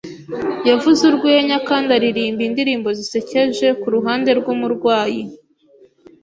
Yavuze urwenya kandi aririmba indirimbo zisekeje kuruhande rwumurwayi.